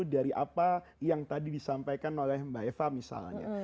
dari apa yang tadi disampaikan oleh mbak eva misalnya